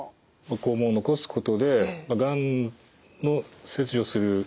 肛門を残すことでがんの切除する距離が近づきます。